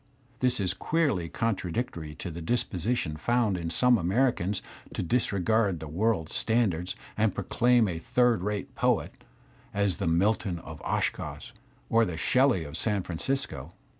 This is queerly contra dictory to a disposition found in some Americans to disr^ard world standards and proclaim a third rate poet as the Milton of Oshkosh or the Shelley of San Francisco.